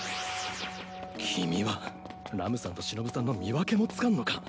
君はラムさんとしのぶさんの見分けもつかんのか？